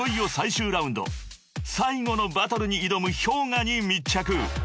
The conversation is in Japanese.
［最後のバトルに挑むＨｙＯｇＡに密着］